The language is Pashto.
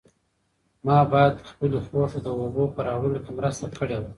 ما باید خپلې خور ته د اوبو په راوړلو کې مرسته کړې وای.